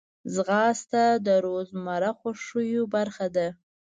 ځغاسته د روزمره خوښیو برخه ده